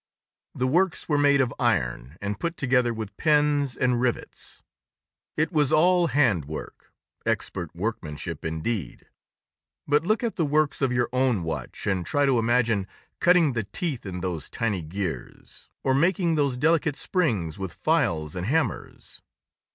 The works were made of iron and put together with pins and rivets. It was all hand work—expert workmanship, indeed—but look at the works of your own watch and try to imagine cutting the teeth in those tiny gears, or making those delicate springs with files and hammers.